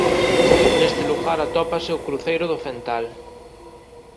Neste lugar atópase o cruceiro do Fental.